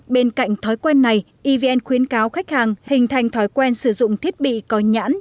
bên cạnh thói quen này evn khuyến cáo khách hàng hình thành thói quen sử dụng thiết bị có nhãn